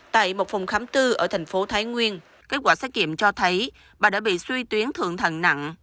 tại một phòng khám tư ở thành phố thái nguyên kết quả xét kiểm cho thấy bà đã bị suy tuyến thượng thận nặng